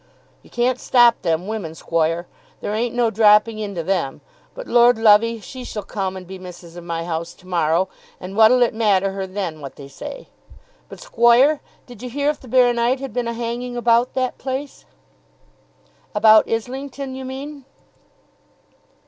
"You can't stop them women, squoire. There ain't no dropping into them. But, Lord love 'ee, she shall come and be missus of my house to morrow, and what 'll it matter her then what they say? But, squoire, did ye hear if the Baro nite had been a' hanging about that place?" "About Islington, you mean."